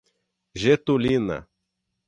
Getulina